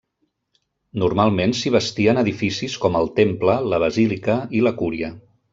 Normalment s'hi bastien edificis com el temple, la basílica i la cúria.